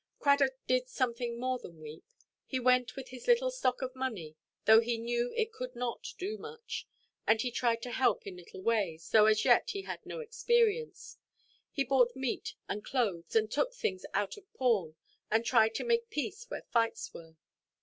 Cradock did something more than weep. He went with his little stock of money, though he knew it could not do much; and he tried to help in little ways, though as yet he had no experience. He bought meat, and clothes, and took things out of pawn, and tried to make peace where fights were.